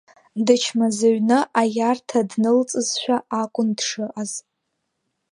Дычмазаҩны аиарҭа днылҵызшәа акун дшыҟаз.